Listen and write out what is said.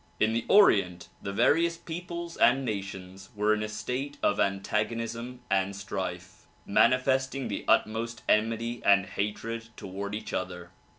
In the Orient the various peoples and nations were in a state of antagonism and strife, manifesting the utmost enmity and hatred toward each other.